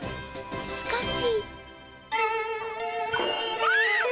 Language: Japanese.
しかし。